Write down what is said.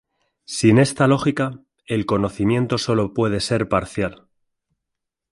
Sin esta lógica, el conocimiento sólo puede ser parcial.